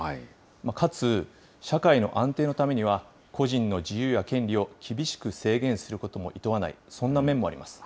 かつ社会の安定のためには、個人の自由や権利を厳しく制限することもいとわない、そんな面もあります。